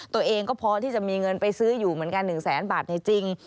ตัวเองก็พอที่จะมีเงินไปซื้ออยู่เหมือนกัน๑แสนบาทในจริง